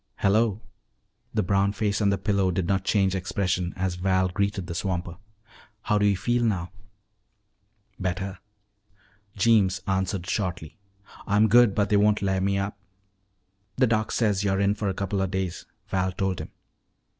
"Hello." The brown face on the pillow did not change expression as Val greeted the swamper. "How do you feel now?" "Bettah," Jeems answered shortly. "Ah'm good but they won't le' me up." "The Doc says you're in for a couple of days," Val told him.